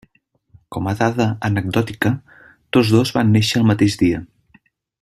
Com a dada anecdòtica, tots dos van néixer el mateix dia.